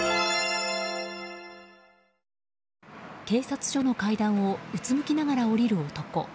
警察署の階段をうつむきながら下りる子供。